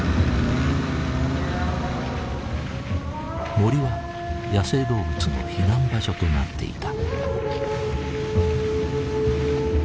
森は野生動物の避難場所となっていた。